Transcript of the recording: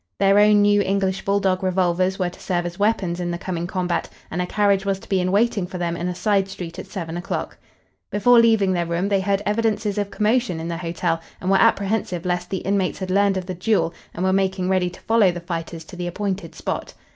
Their own new English bull dog revolvers were to serve as weapons in the coming combat, and a carriage was to be in waiting for them in a side street at seven o'clock. Before leaving their room they heard evidences of commotion in the hotel, and were apprehensive lest the inmates had learned of the duel and were making ready to follow the fighters to the appointed spot.